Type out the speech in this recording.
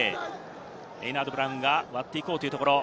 レイナートブラウンが割っていこうというところ。